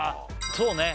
そうね